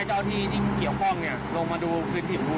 มอเตอร์ไซซ์เนี่ยมี๒อย่างมันก็คือ๗หนักเลยแหละ